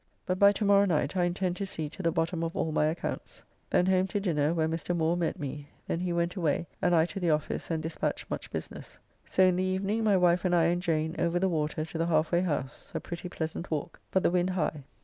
But by tomorrow night I intend to see to the bottom of all my accounts. Then home to dinner, where Mr. Moore met me. Then he went away, and I to the office and dispatch much business. So in the evening, my wife and I and Jane over the water to the Halfway house, a pretty, pleasant walk, but the wind high.